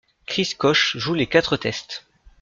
Chris Koch joue les quatre tests.